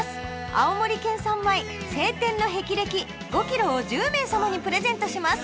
青森県産米「青天の霹靂」５キロを１０名様にプレゼントします